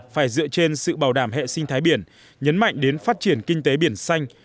phải dựa trên sự bảo đảm hệ sinh thái biển nhấn mạnh đến phát triển kinh tế biển xanh